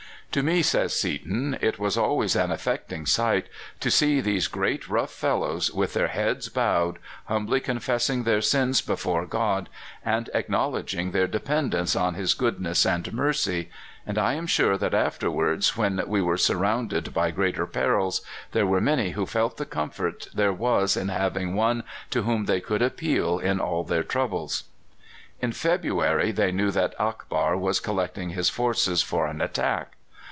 "To me," says Seaton, "it was always an affecting sight to see these great rough fellows with their heads bowed, humbly confessing their sins before God, and acknowledging their dependence on His goodness and mercy; and I am sure that afterwards, when we were surrounded by greater perils, there were many who felt the comfort there was in having One to whom they could appeal in all their troubles." In February they knew that Akbar was collecting his forces for an attack.